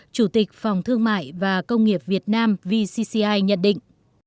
chủ tịch phòng thương mại và công nghiệp việt nam vcci nhận định